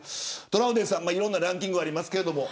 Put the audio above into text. トラウデンさん、いろんなランキングありますが。